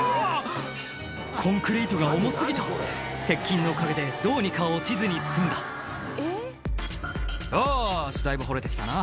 コンクリートが重過ぎた鉄筋のおかげでどうにか落ちずに済んだ「よしだいぶ掘れて来たな」